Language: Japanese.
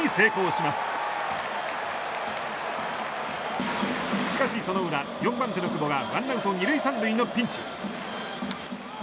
しかし、その裏４番手の金久保がワンアウト２塁３塁のピンチ。